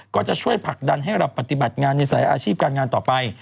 ก็จะช่วยผลักดันให้เราปฏิบัติงานในสายอาชีพการงานต่อไป